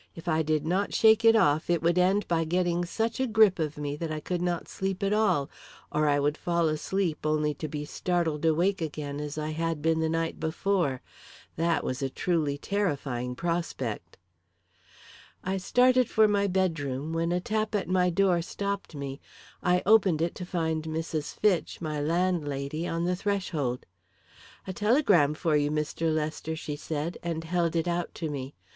If I did not shake it off, it would end by getting such a grip of me that I could not sleep at all, or I would fall asleep only to be startled awake again as I had been the night before. That was truly a terrifying prospect! I started for my bedroom, when a tap at my door stopped me. I opened it to find Mrs. Fitch, my landlady, on the threshold. "A telegram for you, Mr. Lester," she said, and held it out to me.